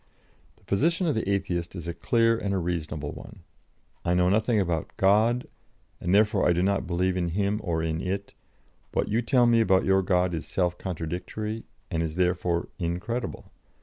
The position of the Atheist is a clear and a reasonable one: I know nothing about 'God,' and therefore I do not believe in Him or in it; what you tell me about your God is self contradictory, and is therefore incredible.